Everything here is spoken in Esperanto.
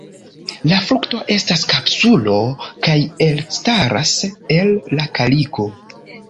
La frukto estas kapsulo kaj elstaras el la kaliko.